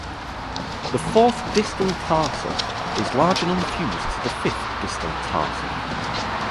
The fourth distal tarsal is large and unfused to the fifth distal tarsal.